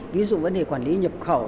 ví dụ vấn đề quản lý nhập khẩu